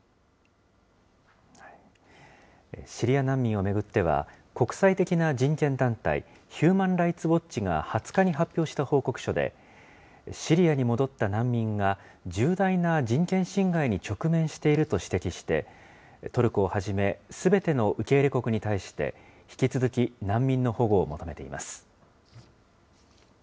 シリア難民を巡っては、国際的な人権団体、ヒューマン・ライツ・ウォッチが２０日に発表した報告書で、シリアに戻った難民が、重大な人権侵害に直面していると指摘して、トルコをはじめ、すべての受け入れ国に対して、引き続き難民の保護を求めています。